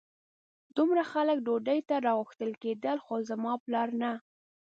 دومره خلک ډوډۍ ته راغوښتل کېدل خو زما پلار نه.